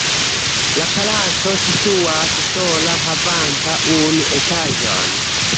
La palaco situas sola havanta unu etaĝon.